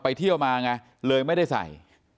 เที่ยวมาไงเลยไม่ได้ใส่